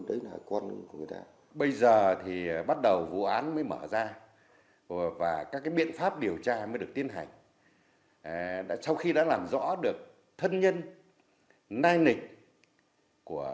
đấy là con của người ta